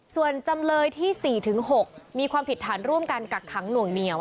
ส่วนจำเลยที่๔๖มีความผิดฐานร่วมกันกักขังหน่วงเหนียว